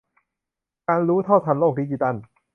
การรู้เท่าทันโลกดิจิทัล